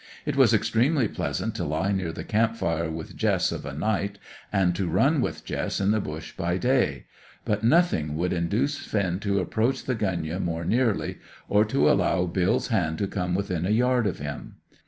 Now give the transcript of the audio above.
It was extremely pleasant to lie near the camp fire with Jess of a night, and to run with Jess in the bush by day; but nothing would induce Finn to approach the gunyah more nearly, or to allow Bill's hand to come within a yard of him.